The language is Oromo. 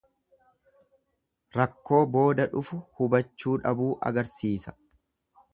Rakkoo booda dhufu hubachuu dhabuu agarsiisa.